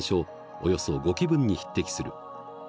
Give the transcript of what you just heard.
およそ５基分に匹敵する。